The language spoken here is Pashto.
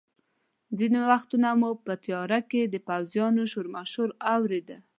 ځینې وختونه مو په تیاره کې د پوځیانو شورماشور اورېده.